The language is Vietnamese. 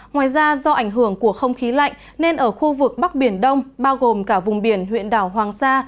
ngoài ra do ảnh hưởng của không khí lạnh nên ở khu vực bắc biển đông bao gồm cả vùng biển huyện đảo hoàng sa